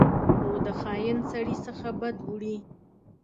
خو د خاین سړي څخه بد وړي.